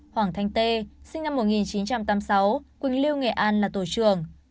hoàng thanh tê sinh năm một nghìn chín trăm tám mươi sáu quỳnh lưu nghệ an là tổ trưởng